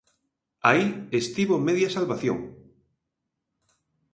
Aí estivo media salvación.